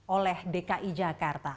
oleh dki jakarta